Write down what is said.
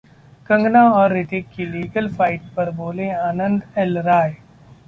कंगना और रितिक की legal fight पर बोले आनंद एल राय